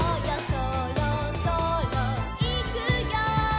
「そろそろいくよ」